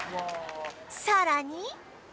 さらに